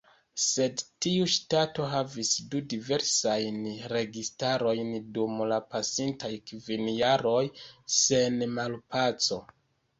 Sed tiu ŝtato havis du diversajn registarojn dum la pasintaj kvin jaroj, sen malpaco.